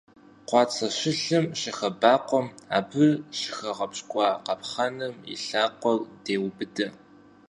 Къуацэ щылъым щыхэбакъуэм, абы щыгъэпщкӀуа къапхъэным и лъакъуэр деубыдэ.